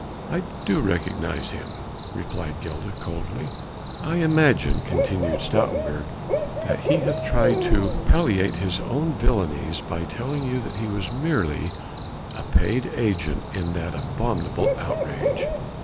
"I do recognize him," replied Gilda coldly. "I imagine," continued Stoutenburg, "that he hath tried to palliate his own villainies by telling you that he was merely a paid agent in that abominable outrage."